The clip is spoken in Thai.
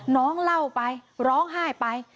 น้องเล่าไปร้องไห้ไป